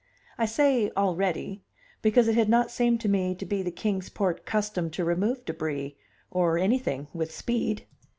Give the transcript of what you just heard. I say "already," because it had not seemed to me to be the Kings Port custom to remove debris, or anything, with speed.